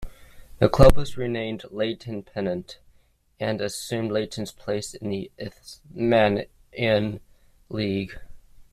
The club was renamed Leyton Pennant, and assumed Leyton's place in the Isthmian League.